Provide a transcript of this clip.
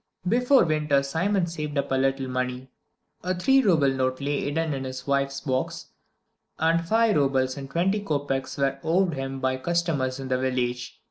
Before winter Simon saved up a little money: a three rouble note lay hidden in his wife's box, and five roubles and twenty kopeks were owed him by customers in the village.